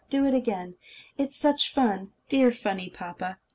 Do it again! It's such fun! Dear, funny papa!"